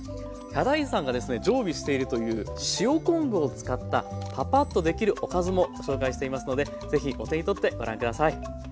ヒャダインさんがですね常備しているという塩昆布を使ったパパッとできるおかずも紹介していますので是非お手に取ってご覧下さい。